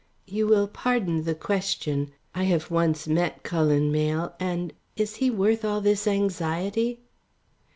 "You will pardon the question I have once met Cullen Mayle and is he worth all this anxiety?"